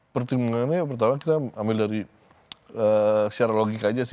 pertimbangannya pertama kita ambil dari secara logika aja sih